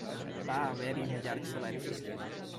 Va haver-hi un llarg silenci.